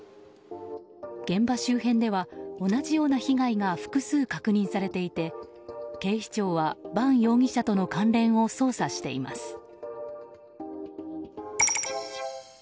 現場周辺では、同じような被害が複数確認されていて警視庁は塙容疑者との関連を捜査しています。